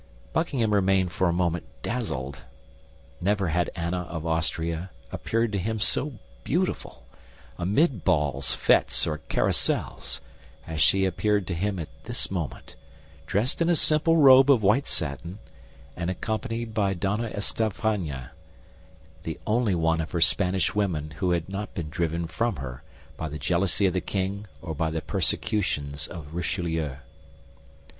Buckingham remained for a moment dazzled. Never had Anne of Austria appeared to him so beautiful, amid balls, fêtes, or carousals, as she appeared to him at this moment, dressed in a simple robe of white satin, and accompanied by Donna Estafania—the only one of her Spanish women who had not been driven from her by the jealousy of the king or by the persecutions of Richelieu.